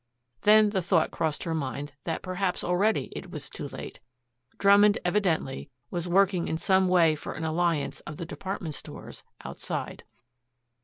Then the thought crossed her mind that perhaps already it was too late. Drummond evidently was working in some way for an alliance of the department stores outside.